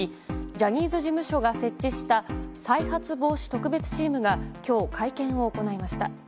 ジャニーズ事務所が設置した再発防止特別チームが今日会見を行いました。